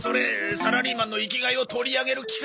サラリーマンの生きがいを取り上げる気か！